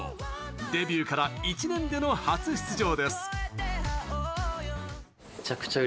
デビューから１年での初出場です。